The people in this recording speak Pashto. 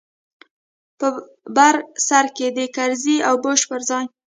په بر سر کښې د کرزي او بوش پر ځاى.